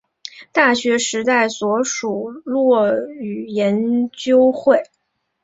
大学时代所属落语研究会。